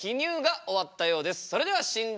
それでは診断